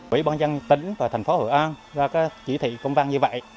ủy ban dân tỉnh và thành phố hội an ra chỉ thị công văn như vậy